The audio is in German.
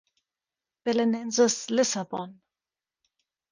Belenenses Lissabon